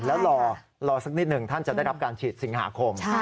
แล้วรอสักนิดหนึ่งท่านจะได้รับการฉีดสิงหาคม